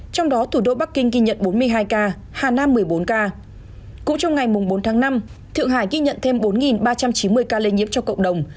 cũng trong ngày bốn tháng năm thượng hải ghi nhận thêm bốn ba trăm chín mươi ca lây nhiễm cho cộng đồng